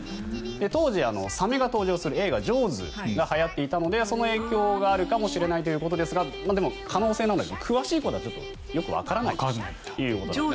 当時、サメが登場する映画「ジョーズ」がはやっていたのでその影響があるのかもしれないということですが詳しいことはわからないと。